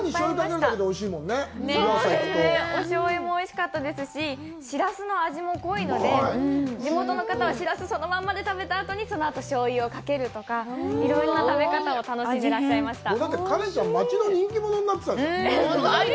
お醤油もおいしかったですし、しらすの味も濃いので、地元の方はしらすをそのままで食べたあとに、その後、醤油をかけるとか、いろんな食べ方を楽しんでいらっしゃいました。